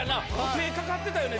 手かかってたよね